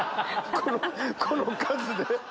この数で。